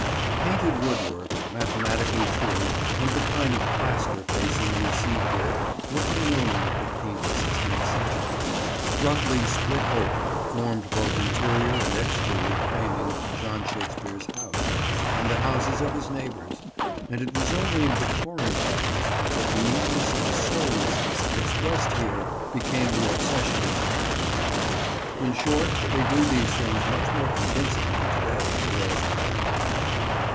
Painted woodwork, mathematically true, and the kind of plaster facing we see here were unknown in the fifteenth and sixteenth centuries. Roughly split oak formed both interior and exterior framing to John Shakespeare's house, and the houses of his neighbours, and it was only in Victorian times that the neatness and the soullessness expressed here became the obsession of craftsmen. In short, they do these things much more convincingly to day at Earl's Court.